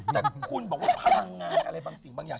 แต่คุณบอกว่าพลังงานอะไรบางสิ่งบางอย่าง